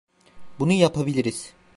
Bunu yapabiliriz.